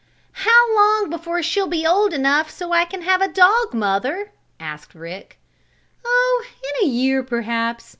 "How long before she'll be old enough so I can have a dog, mother?" asked Rick. "Oh, in a year, perhaps.